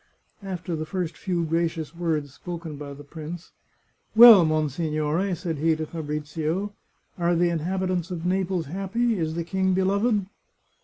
After the first few gracious words spoken by the prince, " Well, monsignore," said he to Fabrizio, " are the in habitants of Naples happy? Is the King beloved?